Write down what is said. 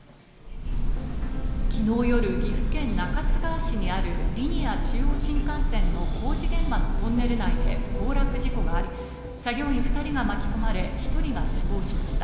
昨日夜、岐阜県中津川市にあるリニア中央新幹線の工事現場のトンネル内で崩落事故があり、作業員２人が巻き込まれ、１人が死亡しました。